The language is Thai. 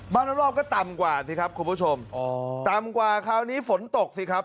รอบรอบก็ต่ำกว่าสิครับคุณผู้ชมอ๋อต่ำกว่าคราวนี้ฝนตกสิครับ